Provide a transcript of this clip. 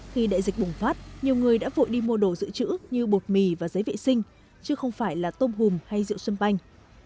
khi đại dịch bùng phát nhiều người đã vội đi mua đồ dự trữ như bột mì và giấy vệ sinh chứ không phải là tôm hùm hay rượu xuân banh